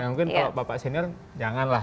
mungkin kalau bapak senior janganlah